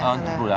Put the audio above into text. oh untuk rudal